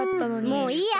もういいや！